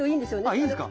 あいいんですか。